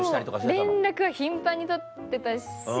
連絡は頻繁に取ってたし。